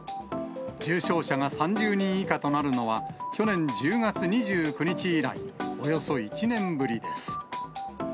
重症者が３０人以下となるのは、去年１０月２９日以来、およそ１年ぶりです。